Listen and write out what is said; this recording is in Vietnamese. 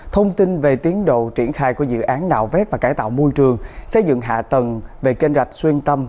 thông tin về tiến độ triển khai của dự án nạo vét và cải tạo môi trường xây dựng hạ tầng về kênh rạch xuyên tâm